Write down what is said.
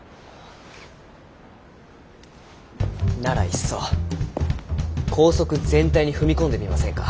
ならいっそ校則全体に踏み込んでみませんか？